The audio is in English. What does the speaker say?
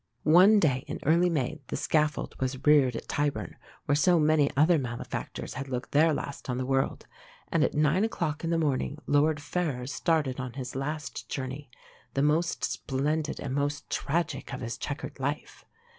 One day in early May the scaffold was reared at Tyburn, where so many other malefactors had looked their last on the world; and at nine o'clock in the morning Lord Ferrers started on his last journey the most splendid and most tragic of his chequered life.